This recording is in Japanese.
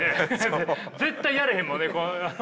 絶対やれへんもんね。